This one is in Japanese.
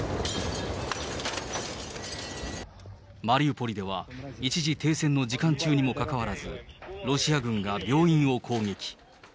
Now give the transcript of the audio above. マリウポリでは一時停戦の時間中にもかかわらず、ロシア軍が病院を攻撃。